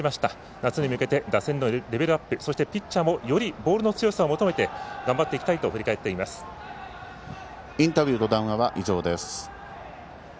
夏に向けて打線のレベルアップピッチャーもよりボールの強さを求めて頑張っていきたいとインタビューと談話は以上です。